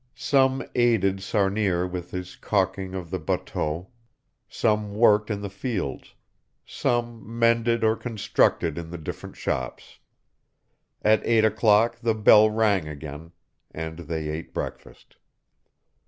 Some aided Sarnier with his calking of the bateaux; some worked in the fields; some mended or constructed in the different shops. At eight o'clock the bell rang again, and they ate breakfast.